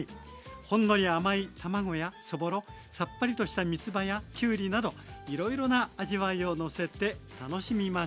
ほんのり甘い卵やそぼろさっぱりとしたみつばやきゅうりなどいろいろな味わいをのせて楽しみましょう。